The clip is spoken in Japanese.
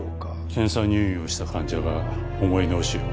検査入院をした患者が重い脳腫瘍。